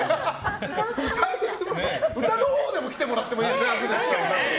歌のほうでも来てもらってもいいですね。